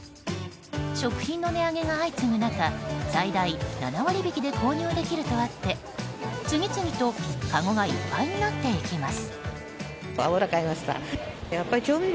食品の値上げが相次ぐ中最大７割引きで購入できるとあって次々とかごがいっぱいになっていきます。